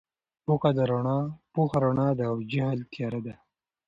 پوهه رڼا ده او جهل تیاره ده.